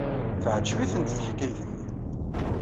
Teɛjeb-itent teḥkayt-nni.